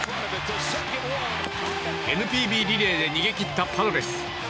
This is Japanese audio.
ＮＰＢリレーで逃げ切ったパドレス。